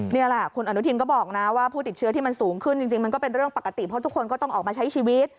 นี่แหละคุณอนุทินก็บอกนะว่าผู้ติดเชื้อที่มันสูงขึ้นจริงมันก็เป็นเรื่องปกติเพราะทุกคนก็ต้องออกมาใช้ชีวิต